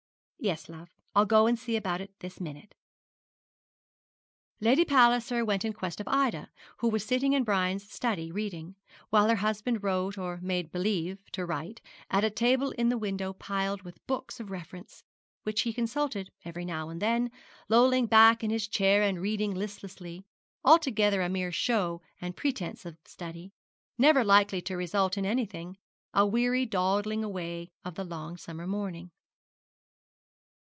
'Yes, love; I'll go and see about it this minute.' Lady Palliser went in quest of Ida, who was sitting in Brian's study reading, while her husband wrote, or made believe to write, at a table in the window piled with books of reference, which he consulted every now and then, lolling back in his chair and reading listlessly altogether a mere show and pretence of study, never likely to result in anything a weary dawdling away of the long summer morning.